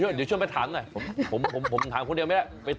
เดี๋ยวช่วยไปถามหน่อยผมถามคนเดียวไม่ได้